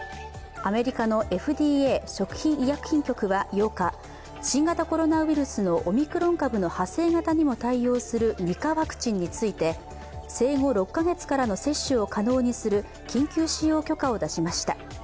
アメリカのＦＤＡ＝アメリカ食品医薬品局は８日新型コロナウイルスのオミクロン株の派生型にも対応する２価ワクチンについて、生後６か月らの接種を可能にする緊急使用許可を出しました。